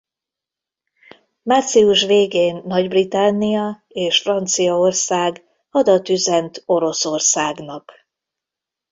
Március végén Nagy-Britannia és Franciaország hadat üzent Oroszországnak.